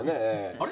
あれ？